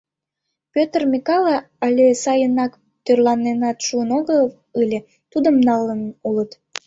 Пӧтр Микале але сайынак тӧрланенат шуын огыл ыле, тудым налын улыт.